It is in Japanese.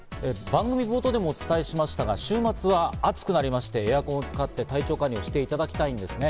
番組冒頭でもお伝えしましたが、週末は暑くなりまして、エアコンを使って体調管理をしていただきたいんですね。